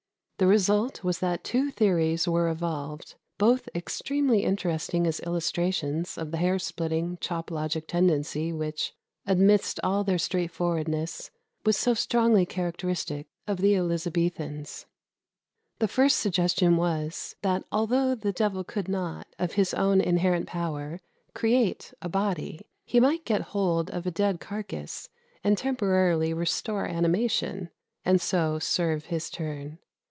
The result was that two theories were evolved, both extremely interesting as illustrations of the hair splitting, chop logic tendency which, amidst all their straightforwardness, was so strongly characteristic of the Elizabethans. The first suggestion was, that although the devil could not, of his own inherent power, create a body, he might get hold of a dead carcase and temporarily restore animation, and so serve his turn.